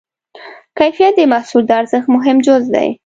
کیفیت د محصول د ارزښت مهم جز دی.